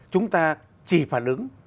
chúng ta chỉ phản ứng